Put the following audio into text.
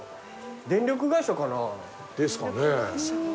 電力会社かな？ですかね？